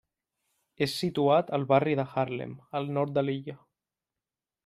És situat al barri de Harlem, al nord de l'illa.